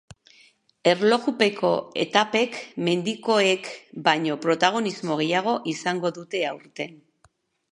Erlojupeko etapek mendikoek baino protagonismo gehiago izango dute aurten.